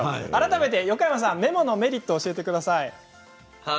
改めて横山さん、メモのメリットを教えてください。